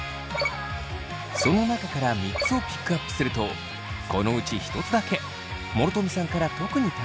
その中から３つをピックアップするとこのうち１つだけ諸富さんから特に高い評価をもらいました。